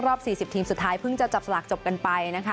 ๔๐ทีมสุดท้ายเพิ่งจะจับสลากจบกันไปนะคะ